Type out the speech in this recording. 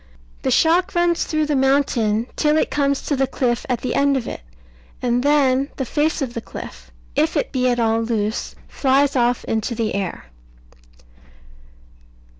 The shock runs through the mountain till it comes to the cliff at the end of it; and then the face of the cliff, if it be at all loose, flies off into the air.